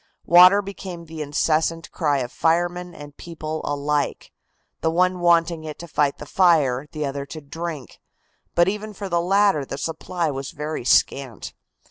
Water became the incessant cry of firemen and people alike, the one wanting it to fight the fire, the other to drink, but even for the latter the supply was very scant.